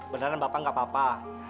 beneran bapak nggak apa apa